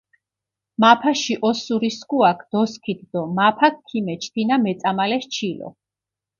მაფაში ოსურისქუაქ დოსქიდჷ დო მაფაქ ქიმეჩჷ თინა მეწამალეს ჩილო.